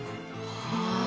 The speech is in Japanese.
ああ。